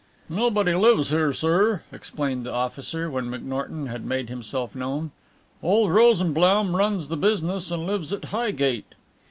"Nobody lives here, sir," explained the officer, when McNorton had made himself known. "Old Rosenblaum runs the business, and lives at Highgate."